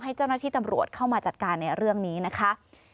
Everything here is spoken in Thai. ให้เจ้าหน้าที่ตำรวจเข้ามาจัดการในเรื่องนี้นะคะ